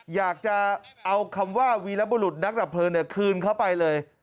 อยากจะเอาคำว่าวีรบุรุษนักดับเพลิงคืนเข้าไปเลย